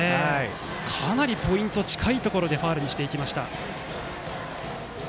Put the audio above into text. かなりポイント近いところでファウルにしていきました。